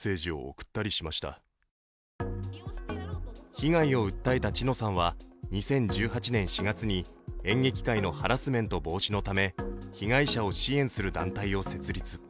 被害を訴えた知乃さんは２０１８年４月に演劇界のハラスメント防止のため被害者を支援する団体を設立。